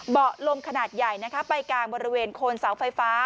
เบาะลมขนาดใหญ่ไปกางบริเวณโคนเสาไฟฟ้า